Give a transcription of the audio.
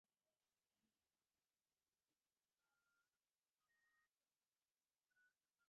বলিয়া শৈলজা কমলার পাশে বসিয়া তাহার গলা জড়াইয়া ধরিল।